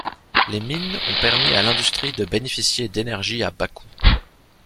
Les mines ont permis à l'industrie de bénéficier d'énergie à bas coût.